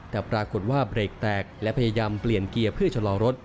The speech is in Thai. แต่ปรากฏว่าเบรกแตกและพยายามเปลี่ยนเกียร์เพื่อชะลอรถ